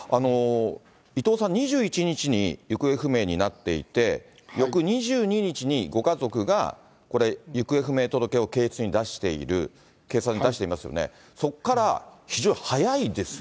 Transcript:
伊藤さん、２１日に行方不明になっていて、翌２２日にご家族がこれ、行方不明届を警察に出している、警察に出していますよね。